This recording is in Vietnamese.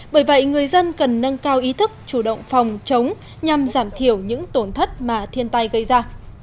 bởi vậy người dân cần nâng cao ý thức chủ động phòng chống nhằm giảm thiểu những tổn thất mà thiên tai gây ra